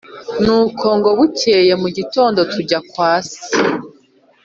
” nuko ngo bucye mu gitondo tujya kwa se